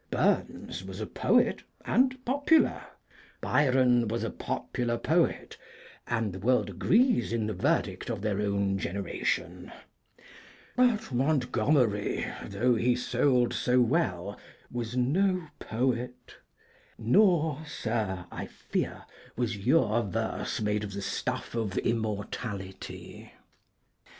Burns was a poet, and popular. Byron was a popular poet, and the world agrees in the verdict of their own generation. But Montgomery, though he sold so well, was no poet, nor, Sir, I fear, was your verse made of the stuff of immortality.